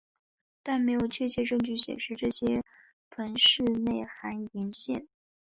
但没有确切证据显示这些腔室内含盐腺。